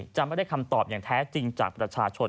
จะไม่ได้คำตอบอย่างแท้จริงจากประชาชน